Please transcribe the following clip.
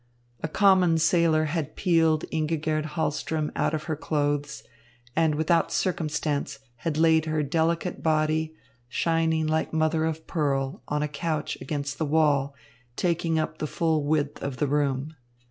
A common sailor had peeled Ingigerd Hahlström out of her clothes, and without circumstance had laid her delicate body, shining like mother of pearl, on a couch against the wall taking up the full width of the room.